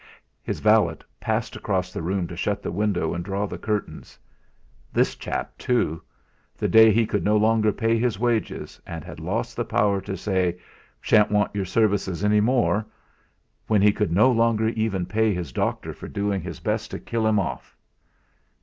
His valet passed across the room to shut the window and draw the curtains. This chap too! The day he could no longer pay his wages, and had lost the power to say "Shan't want your services any more" when he could no longer even pay his doctor for doing his best to kill him off!